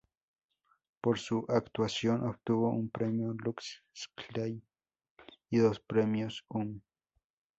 Por su actuación, obtuvo un premio Lux Style y dos premios Hum.